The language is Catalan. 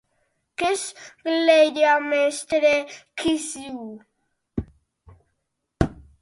Què esglaia Mestre Quissu?